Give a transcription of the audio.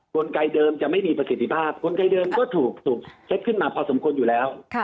กลไกเดิมจะไม่มีประสิทธิภาพกลไกเดิมก็ถูกเช็คขึ้นมาพอสมควรอยู่แล้ว